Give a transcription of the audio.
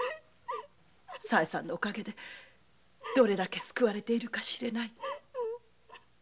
さえさんのお陰でどれだけ救われているかしれないと。